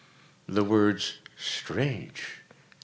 The words "strange!"